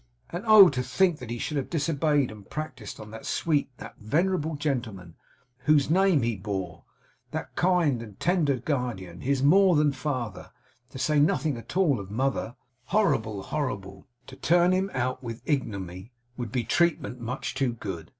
And oh, to think that he should have disobeyed and practised on that sweet, that venerable gentleman, whose name he bore; that kind and tender guardian; his more than father to say nothing at all of mother horrible, horrible! To turn him out with ignominy would be treatment much too good.